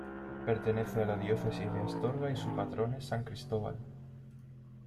Pertenece a la diócesis de Astorga y su patrón es San Cristóbal.